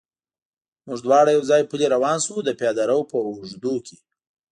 موږ دواړه یو ځای پلی روان شو، د پیاده رو په اوږدو کې.